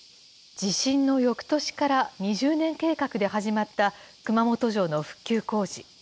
地震のよくとしから２０年計画で始まった熊本城の復旧工事。